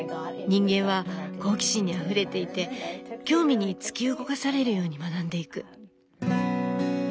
人間は好奇心にあふれていて興味に突き動かされるように学んでいく。